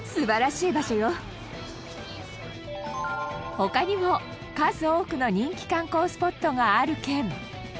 他にも数多くの人気観光スポットがある県。